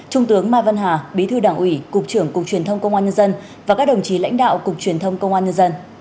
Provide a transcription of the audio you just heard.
trung tướng mai văn hà bí thư đảng ủy cục trưởng cục truyền thông công an nhân dân và các đồng chí lãnh đạo cục truyền thông công an nhân dân